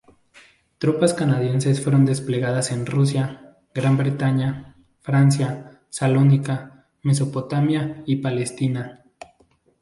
Tropas canadienses fueron desplegadas en Rusia, Gran Bretaña, Francia, Salónica, Mesopotamia y Palestina.